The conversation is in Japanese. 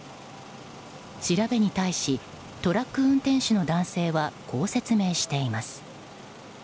調べに対しトラック運転手の男性はこう説明しています。